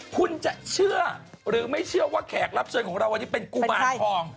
คุณจะเชื่อหรือไม่เชื่อว่าแขกรับเชิญของเราวันนี้เป็นกุมารทอง